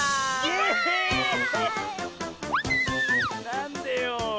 なんでよ。